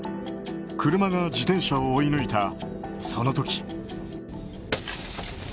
車が自転車を追い抜いたその時。